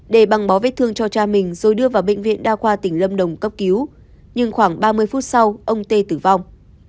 để bằng bó vết thương cho cha mình rồi đưa vào bệnh viện đa khoa tỉnh lâm đồng cấp cứu nhưng khoảng ba mươi phút sau ông tê tử vong